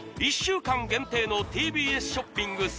１週間限定のＴＢＳショッピング